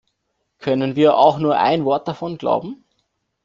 Können wir auch nur ein Wort davon glauben?